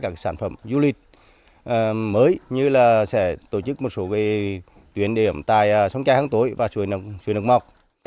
các sản phẩm du lịch mới như là sẽ tổ chức một số tuyến điểm tại sông chai hang tối và sùi nước mọc